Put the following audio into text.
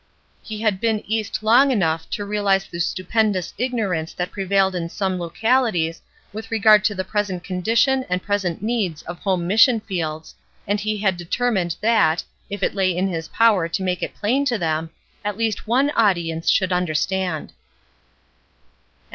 He had been East long enough to realize the stupendous ignorance that prevailed in some localities with regard to the present condition and present needs of home mission fields, and he had determined that, if it lay in his power to make it plain to them, at least one audience should understand.